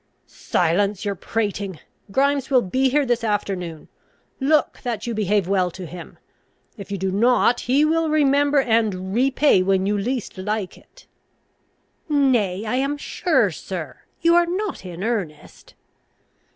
"Silence your prating! Grimes will be here this afternoon. Look that you behave well to him. If you do not, he will remember and repay, when you least like it." "Nay, I am sure, sir you are not in earnest?"